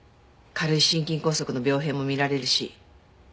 軽い心筋梗塞の病変も見られるし。